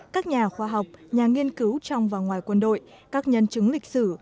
các nhà khoa học nhà nghiên cứu trong và ngoài quân đội các nhân chứng lịch sử